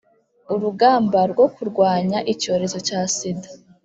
urugamba rwo kurwanya icyorezo cya sida.